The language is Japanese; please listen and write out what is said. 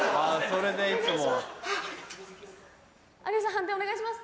判定お願いします。